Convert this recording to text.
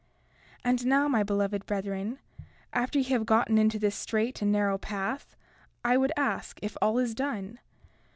31:19 And now, my beloved brethren, after ye have gotten into this strait and narrow path, I would ask if all is done?